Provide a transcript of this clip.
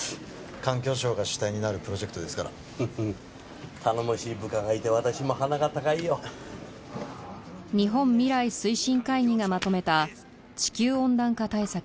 環境省が主体になるプロジェクトですからフフッ頼もしい部下がいて私も鼻が高いよ日本未来推進会議がまとめた地球温暖化対策